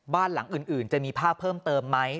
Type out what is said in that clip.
บ้านหลังอื่นจะมีภาพเพิ่มเติมไหม